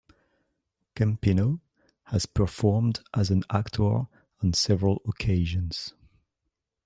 Campino has performed as an actor on several occasions.